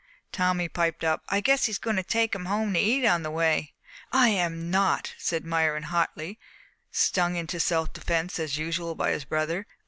Tommy piped up. "I guess he's going to take 'em home to eat on the way." "I am not!" said Myron hotly, stung into self defence as usual by his brother.